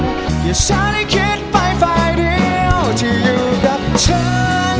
หยัดเช้าให้คิดไปควายเดียวที่อยู่กับฉัน